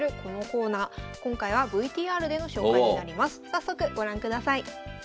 早速ご覧ください。